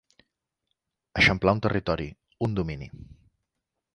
Eixamplar un territori, un domini.